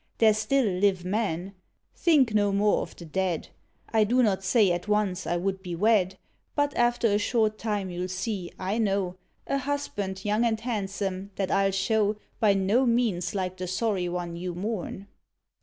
There still live men: think no more of the dead; I do not say at once I would be wed; But after a short time you'll see, I know, A husband young and handsome that I'll show, By no means like the sorry one you mourn."